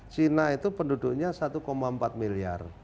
china itu penduduknya satu empat miliar